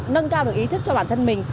nâng cao được ý thức cho bản thân mình